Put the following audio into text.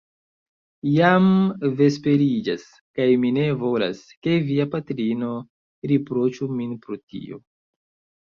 Jam vesperiĝas; kaj mi ne volas, ke via patrino riproĉu min pro tio.